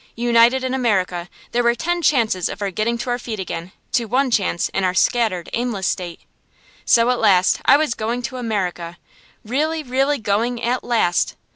United in America, there were ten chances of our getting to our feet again to one chance in our scattered, aimless state. So at last I was going to America! Really, really going, at last!